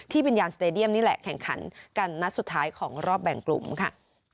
วิญญาณสเตดียมนี่แหละแข่งขันกันนัดสุดท้ายของรอบแบ่งกลุ่มค่ะ